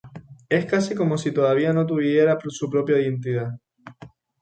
Es casi como si todavía no tuviera su propia identidad.